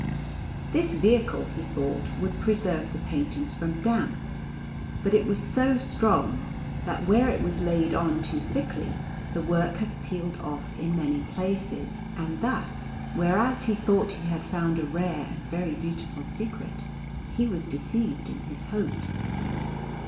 This vehicle, he thought, would preserve the paintings from damp; but it was so strong that where it was laid on too thickly the work has peeled off in many places; and thus, whereas he thought he had found a rare and very beautiful secret, he was deceived in his hopes.